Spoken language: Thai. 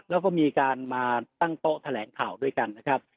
แล้วก็มีการมาตั้งโต๊ะแถลงข่าวด้วยกันนะครับ